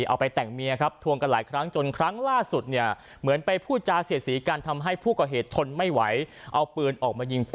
เอาไปแต่งเมียครับท่วงกันหลายครั้งจนครั้งล่าดสุดเนี่ย